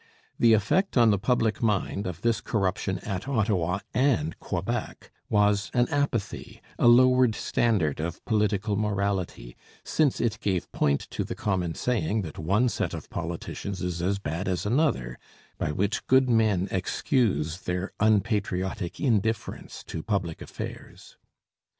The effect on the public mind of this corruption at Ottawa and Quebec was an apathy, a lowered standard of political morality, since it gave point to the common saying that 'one set of politicians is as bad as another,' by which good men excuse their unpatriotic indifference to public affairs.